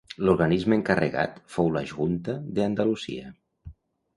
L'organisme encarregat fou la Junta de Andalucía.